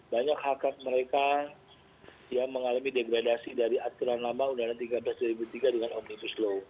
banyak hakikat mereka yang mengalami degradasi dari aturan lama udara tiga belas tiga dengan omnipunis